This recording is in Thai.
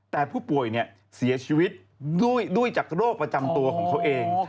แต่ผู้ป่วยเสียชีวิตด้วยจากโรคประจำตัวของเขาเอง